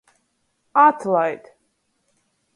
Atlaid!